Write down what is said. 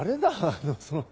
あのその。